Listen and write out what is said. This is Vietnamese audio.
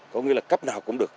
có nghĩa là cấp nào cũng được